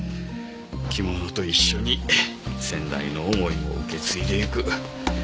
着物と一緒に先代の思いも受け継いでいく。